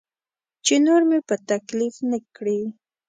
چې نور مې په تکلیف نه کړي.